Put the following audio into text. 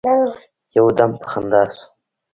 يو دم په خندا سو.